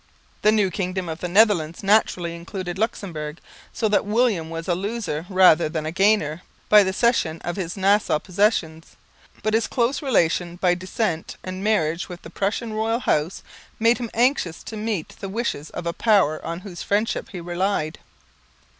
The new kingdom of the Netherlands naturally included Luxemburg, so that William was a loser rather than a gainer by the cession of his Nassau possessions; but his close relation by descent and marriage with the Prussian Royal House made him anxious to meet the wishes of a power on whose friendship he relied.